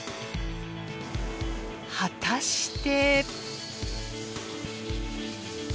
果たして。